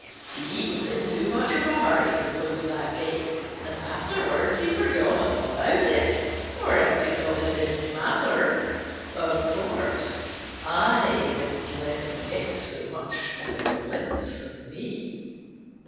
He was in too much of a hurry to close that gate, and afterwards he forgot all about it or else he thought it didn't matter. Of course, I didn't let him get so much as a glimpse of me."